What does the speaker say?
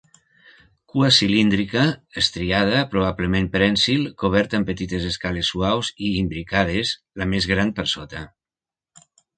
Cua cilíndrica, estriada, probablement prènsil, coberta amb petites escales suaus i imbricades, la més gran per sota.